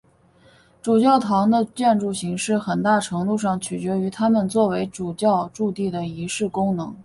主教座堂的建筑形式很大程度上取决于它们作为主教驻地的仪式功能。